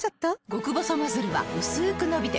極細ノズルはうすく伸びて